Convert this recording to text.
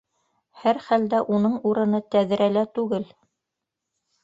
—Һәр хәлдә, уның урыны тәҙрәлә түгел!